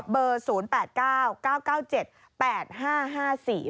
เบอร์๐๘๙๙๙๗๘๕๕๔นั่นเองนะคะ